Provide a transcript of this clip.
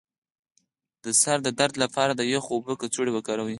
د سر د درد لپاره د یخو اوبو کڅوړه وکاروئ